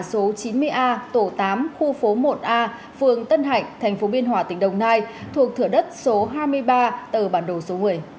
số chín mươi a tổ tám khu phố một a phường tân hạnh thành phố biên hòa tỉnh đồng nai thuộc thửa đất số hai mươi ba tờ bản đồ số một mươi